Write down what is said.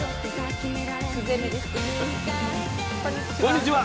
こんにちは。